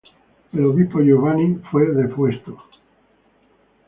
El obispo Giovanni fue depuesto.